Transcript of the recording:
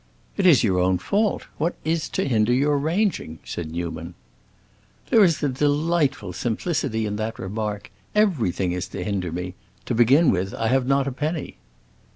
"It is your own fault; what is to hinder your ranging?" said Newman. "There is a delightful simplicity in that remark! Everything is to hinder me. To begin with, I have not a penny."